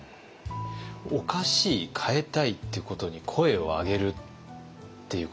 おかしい変えたいっていうことに声を上げるっていうことはどうですか？